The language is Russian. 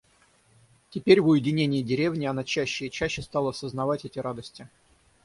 Теперь, в уединении деревни, она чаще и чаще стала сознавать эти радости.